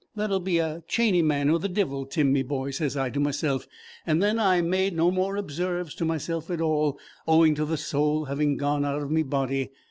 'That 'll be a Chany man or the Divil, Tim, me boy,' sez I to meself; and then I made no more observes to meself at all, owing to the soul having gone out of me body.